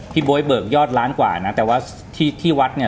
บ๊วยเบิกยอดล้านกว่านะแต่ว่าที่ที่วัดเนี่ย